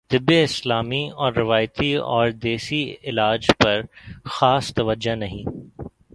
طب اسلامی اور روایتی اور دیسی علاج پرخاص توجہ نہیں